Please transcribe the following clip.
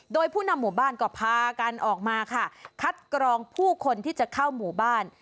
โดยผู้นำหมู่บ้านก็พากันออกมาค่ะคัดกรองผู้คนที่จะเข้าหมู่บ้าน